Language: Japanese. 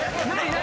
何？